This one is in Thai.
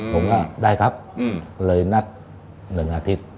ผมก็ได้ครับเลยนัด๑อาทิตย์